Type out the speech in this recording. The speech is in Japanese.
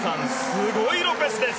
すごいロペスです。